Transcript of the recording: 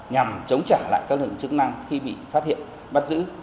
nhằm chống trả lực lượng chức năng khi bị phát hiện bắt giữ